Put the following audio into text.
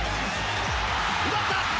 奪った！